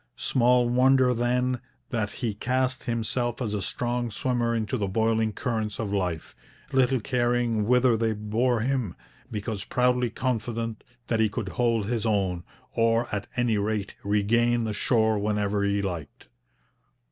Small wonder, then, that he cast himself as a strong swimmer into the boiling currents of life, little caring whither they bore him, because proudly confident that he could hold his own, or, at any rate, regain the shore whenever he liked.